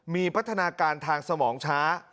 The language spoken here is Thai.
มีพัฒนาการทางสมองช้า